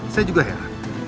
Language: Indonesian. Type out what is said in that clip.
saya juga heran